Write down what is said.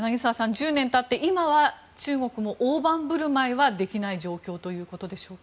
１０年経って、今は中国も大盤振る舞いはできない状況ということでしょうか。